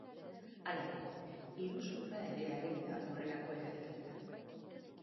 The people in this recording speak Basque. Hala ere, iruzurra ere ageri da horrelako eragiketetan.